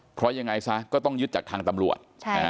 เพราะยังไงซะก็ต้องยึดจากทางตำรวจ